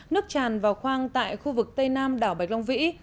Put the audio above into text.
nước tràn vào khoang tại khu vực tây nam đảo bạch long vĩ